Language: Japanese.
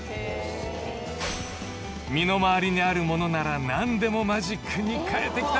［身の回りにあるものなら何でもマジックに変えてきた］